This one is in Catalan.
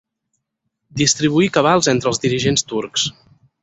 Distribuir cabals entre els dirigents turcs.